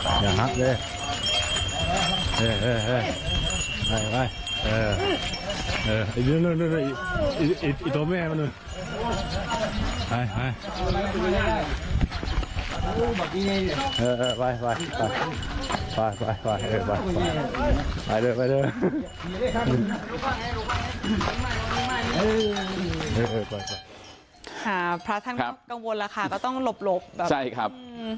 ปลาท่านก็กังวลละค่ะก็ต้องหลบ